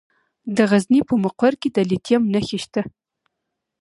د غزني په مقر کې د لیتیم نښې شته.